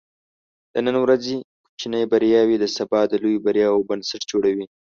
د نن ورځې کوچني بریاوې د سبا د لویو بریاوو بنسټ جوړوي.